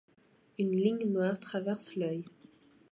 Une ligne noire traverse l’œil.